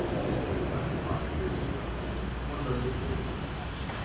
Haldgren left five years ago! What does it mean?"